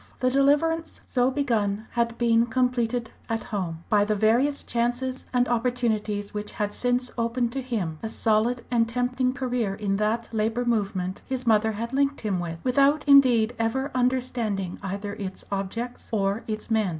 The deliverance so begun had been completed at home, by the various chances and opportunities which had since opened to him a solid and tempting career in that Labour movement his mother had linked him with, without indeed ever understanding either its objects or its men.